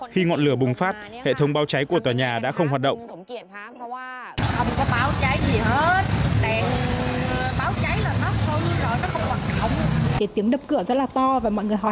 khi ngọn lửa bùng phát hệ thống báo cháy của tòa nhà đã không hoạt động